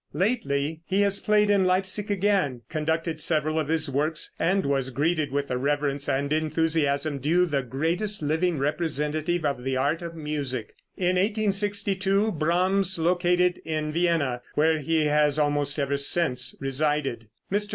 Lately he has played in Leipsic again, conducted several of his works, and was greeted with the reverence and enthusiasm due the greatest living representative of the art of music. In 1862 Brahms located in Vienna, where he has almost ever since resided. Mr.